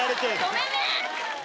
ごめんね！